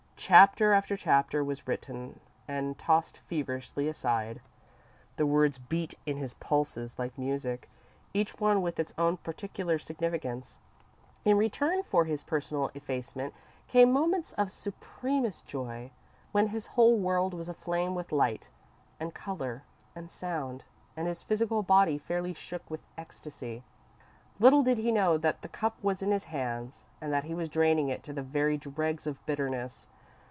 Chapter after chapter was written and tossed feverishly aside. The words beat in his pulses like music, each one with its own particular significance. In return for his personal effacement came moments of supremest joy, when his whole world was aflame with light, and colour, and sound, and his physical body fairly shook with ecstasy. Little did he know that the Cup was in his hands, and that he was draining it to the very dregs of bitterness.